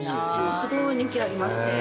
すごい人気ありまして。